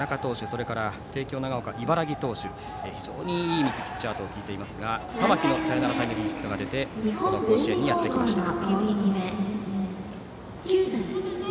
それから帝京長岡の投手非常にいいピッチャーと聞いていますが玉木のタイムリーヒットが出てこの甲子園にやってきました。